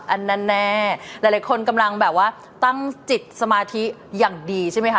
อันนั้นแน่หลายคนกำลังแบบว่าตั้งจิตสมาธิอย่างดีใช่ไหมคะ